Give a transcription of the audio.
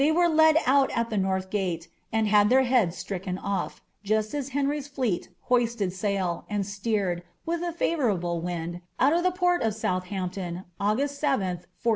were led out at the north gate, and had their heads stricken off, [enry^s fleet hoisted sail, and steered, with a favourable wind, out ort of Southampton, August 7th, 1415.